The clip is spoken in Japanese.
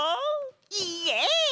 イエイ！